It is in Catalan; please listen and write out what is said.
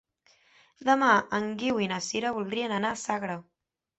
Demà en Guiu i na Sira voldrien anar a Sagra.